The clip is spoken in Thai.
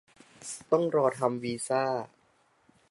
ต้องรอทำวีซ่า